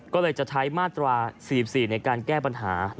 ก็เลยจะใช้มาตรา๔๔ในการแก้ปัญหา